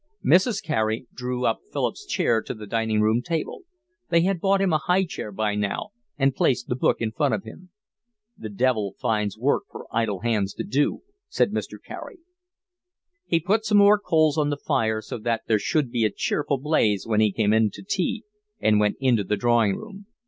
Mrs. Carey drew up Philip's chair to the dining room table—they had bought him a high chair by now—and placed the book in front of him. "The devil finds work for idle hands to do," said Mr. Carey. He put some more coals on the fire so that there should be a cheerful blaze when he came in to tea, and went into the drawing room.